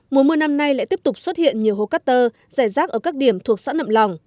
mùa mưa năm nay lại tiếp tục xuất hiện nhiều hố cát tơ rẻ rác ở các điểm thuộc xã nậm lòng